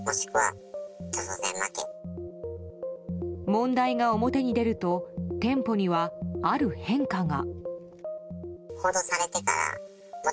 問題が表に出ると店舗には、ある変化が。